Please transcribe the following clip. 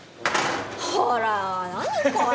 ほらぁ何これ！